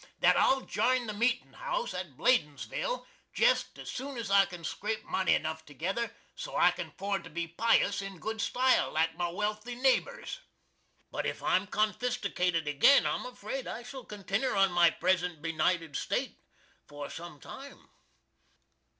that I'll jine the Meetin House at Baldinsville, jest as soon as I can scrape money enuff together so I can 'ford to be piuss in good stile, like my welthy nabers. But if I'm confisticated agin I'm fraid I shall continner on in my present benited state for sum time.